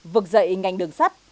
vực dậy ngành đường sắt